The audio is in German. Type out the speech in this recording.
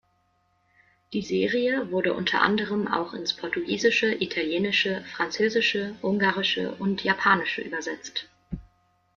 Die Serie wurde unter anderem auch ins Portugiesische, Italienische, Französische, Ungarische und Japanische übersetzt.